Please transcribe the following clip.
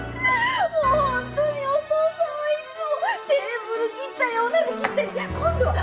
もう本当にお父さんはいつもテーブル切ったりお鍋切ったり今度は。